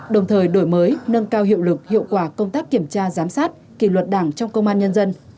đồng thời đổi mới nâng cao hiệu lực hiệu quả công tác kiểm tra giám sát kỳ luật đảng trong công an nhân dân